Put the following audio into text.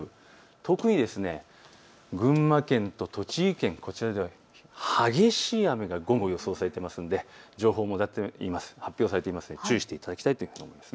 特に群馬県と栃木県、こちらでは激しい雨が午後予想されていますので情報も発表されていますので注意をしていきたいと思います。